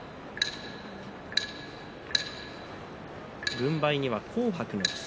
軍配には紅白の房